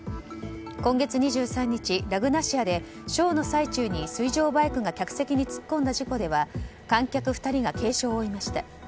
今月２３日、ラグナシアでショーの最中に水上バイクが客席に突っ込んだ事故では観客２人が軽傷を負いました。